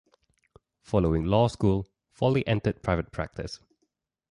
Following law school, Foley entered private practice.